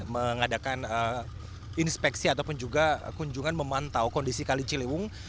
mengadakan inspeksi ataupun juga kunjungan memantau kondisi kali ciliwung